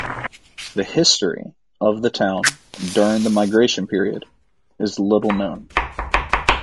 The history of the town during the Migration Period is little known.